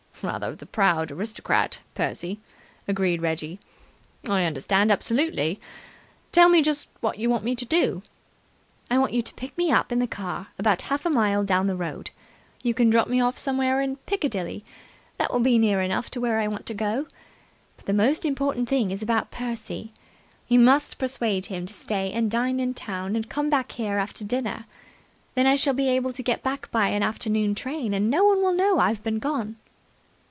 "Rather the proud aristocrat, Percy," agreed Reggie. "I understand absolutely. Tell me just what you want me to do." "I want you to pick me up in the car about half a mile down the road. You can drop me somewhere in Piccadilly. That will be near enough to where I want to go. But the most important thing is about Percy. You must persuade him to stay and dine in town and come back here after dinner. Then I shall be able to get back by an afternoon train, and no one will know I've been gone."